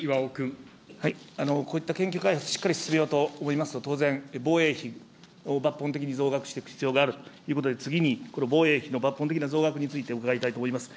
こういった研究開発、しっかり進めようと思いますと、当然、防衛費を抜本的に増額していく必要があるということで、次に、この防衛費の抜本的な増額について伺いたいと思います。